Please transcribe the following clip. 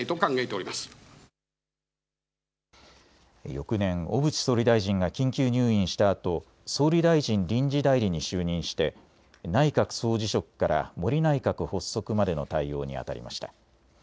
翌年、小渕総理大臣が緊急入院したあと総理大臣臨時代理に就任して内閣総辞職から森内閣発足までの対応にあたりました。